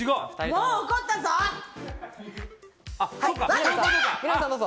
もう怒ったぞ！